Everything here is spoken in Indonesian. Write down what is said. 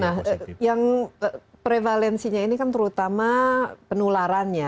nah yang prevalensinya ini kan terutama penularannya